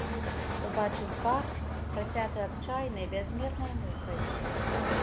Убачыў твар, працяты адчайнай, бязмернай мукай.